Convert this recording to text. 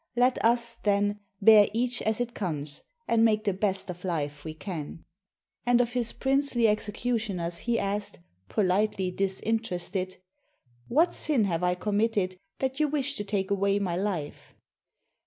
Let us, then, bear each as it comes, and make the best of life we can." And of his princely executioners he asked — politely disinterested — "What sin have I committed that you wish to take away my hfe?